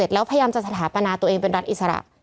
แล้วพยายามจะสถาปนาตัวเองเป็นรัฐอิสระ